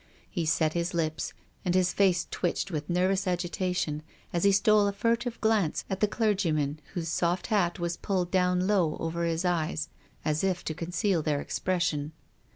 lie set his lips, and his face twitched with nervous agitation as he stole a furtive glance at the clergy man, whose soft hat was pulled down low over his eyes as if to conceal their expression.